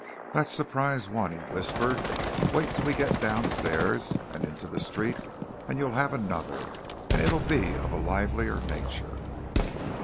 "That's surprise one!" he whispered. "Wait till we get downstairs and into the street, and you'll have another, and it'll be of a bit livelier nature!"